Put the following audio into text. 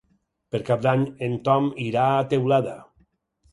Per Cap d'Any en Tom irà a Teulada.